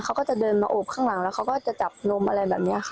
เขาก็จะเดินมาโอบข้างหลังแล้วเขาก็จะจับนมอะไรแบบนี้ค่ะ